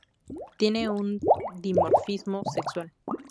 Tiene un dimorfismo sexual.